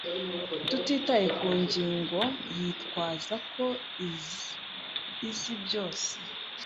Tutitaye ku ngingo, yitwaza ko izi byose.